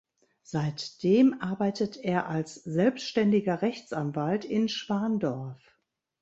Seitdem arbeitet er als selbstständiger Rechtsanwalt in Schwandorf.